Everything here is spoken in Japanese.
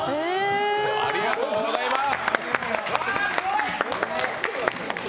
ありがとうございます！